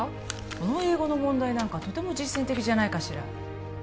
この英語の問題なんかとても実践的じゃないかしら